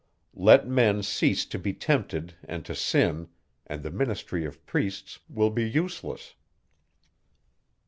Let men cease to be tempted and to sin, and the ministry of priests will be useless.